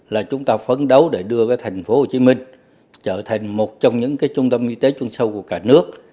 là chúng ta phấn đấu để đưa thành phố hồ chí minh trở thành một trong những cái trung tâm y tế chung sâu của cả nước